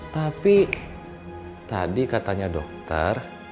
tapi tadi katanya dokter